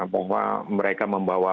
bahwa mereka membawa